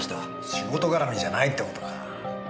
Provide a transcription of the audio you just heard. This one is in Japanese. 仕事絡みじゃないって事か。